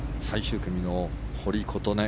最終組の堀琴音